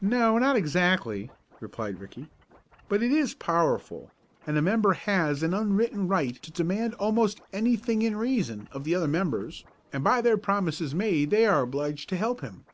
"No, not exactly," replied Ricky. "But it is powerful, and a member has an unwritten right to demand almost anything in reason of the other members, and by their promises made they are obliged to help him."